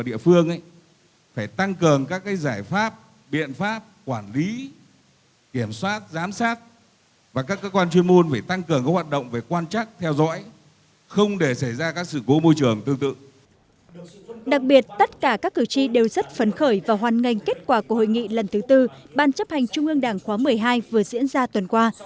đặc biệt tất cả các cử tri đều rất phấn khởi và hoan nghênh kết quả của hội nghị lần thứ tư ban chấp hành trung ương đảng khóa một mươi hai vừa diễn ra tuần qua